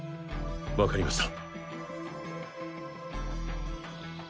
わかりました。